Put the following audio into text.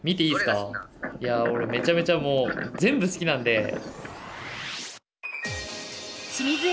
いや俺めちゃめちゃもう全部好きなんで。